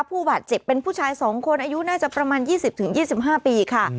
ผู้บาดเจ็บเป็นผู้ชายสองคนอายุน่าจะประมาณยี่สิบถึงยี่สิบห้าปีค่ะ